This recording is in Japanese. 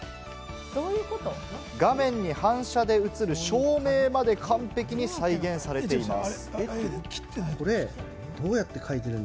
画面に反射でうつる照明まで完璧に再現されています。